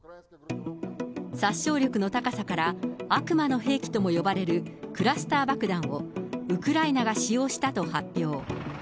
殺傷力の高さから、悪魔の兵器とも呼ばれるクラスター爆弾を、ウクライナが使用したと発表。